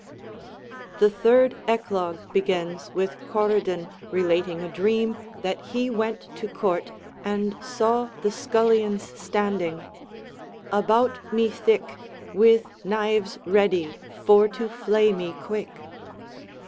The third 'Eclogue' begins with Coridon relating a dream that he went to court and saw the scullions standing "about me thicke With knives ready for to flay me quicke."